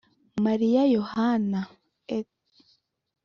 Mariya Yohana etc